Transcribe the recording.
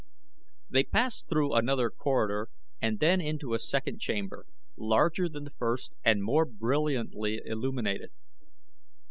They passed through another corridor and then into a second chamber, larger than the first and more brilliantly illuminated.